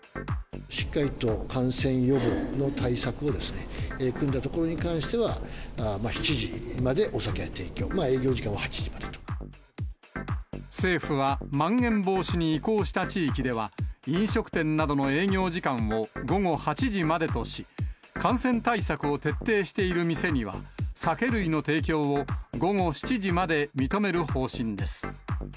しっかりと感染予防の対策を組んだところに関しては、７時までお酒は提供、営業時間は８時ま政府はまん延防止に移行した地域では、飲食店などの営業時間を午後８時までとし、感染対策を徹底している店には、酒類の提供を午後７時まで認める方針です。